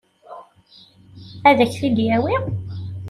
Ad k-t-id-yawi?